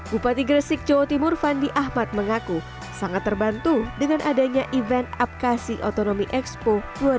bupati gresik jawa timur fandi ahmad mengaku sangat terbantu dengan adanya event apkasi otonomi expo dua ribu dua puluh